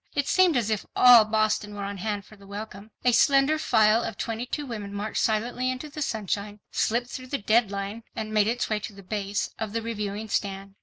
It seemed as if all Boston were on hand for the welcome. A slender file of twenty two women marched silently into the sunshine, slipped through the "deadline," and made its way to the base' of the Reviewing stand.